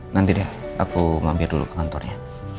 nanti deh aku mampir dulu ke kantornya